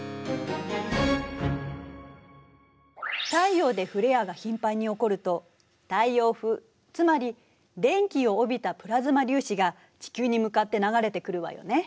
太陽でフレアが頻繁に起こると太陽風つまり電気を帯びたプラズマ粒子が地球に向かって流れてくるわよね。